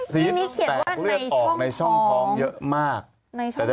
ซีสแตกเลือดออกในช่องท้องเยอะมากนี่เขียนว่าในช่องท้อง